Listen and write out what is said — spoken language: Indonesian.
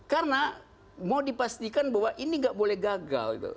karena mau dipastikan bahwa ini nggak boleh gagal